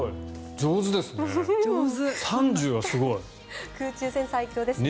上手ですね。